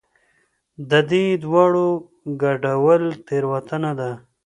د دې دواړو ګډول تېروتنه ده.